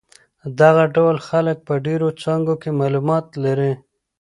دغه ډول خلک په ډېرو څانګو کې معلومات لري.